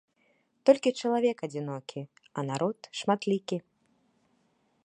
Толькі чалавек адзінокі, а народ шматлікі.